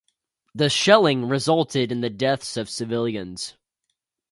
The shelling resulted in the deaths of civilians.